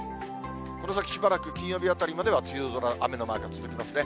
この先しばらく金曜日あたりまでは梅雨空、雨のマークが続きますね。